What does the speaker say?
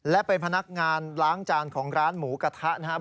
และเป็นพนักงานล้างจานของร้านหมูกระทะนะครับ